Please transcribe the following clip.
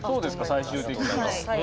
最終的には。